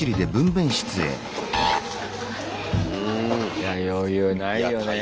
いや余裕ないよね。